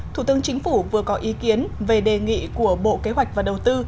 thủ tướng chính phủ vừa có ý kiến về đề nghị của bộ kế hoạch và đầu tư